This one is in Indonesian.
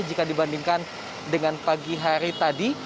jika dibandingkan dengan pagi hari tadi